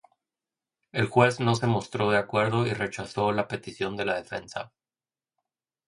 El juez no se mostró de acuerdo y rechazó la petición de la defensa.